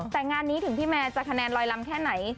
แต่งานนี้ถึงพี่แมร์จะคะแนนลอยลำแค่ไหน